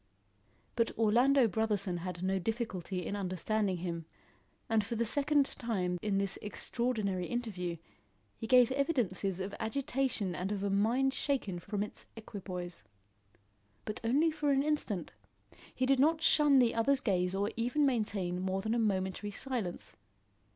But Orlando Brotherson had no difficulty in understanding him, and for the second time in this extraordinary interview, he gave evidences of agitation and of a mind shaken from its equipoise. But only for an instant. He did not shun the other's gaze or even maintain more than a momentary silence.